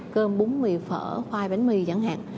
cơm bún mì phở khoai bánh mì chẳng hạn